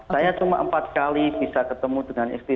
saya cuma empat kali bisa ketemu dengan istri